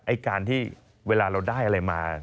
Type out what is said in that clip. การที่เวลาเราได้อะไรมา